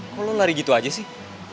kalau lo lari gitu aja sih